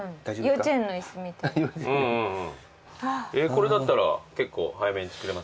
これだったら結構早めに作れます？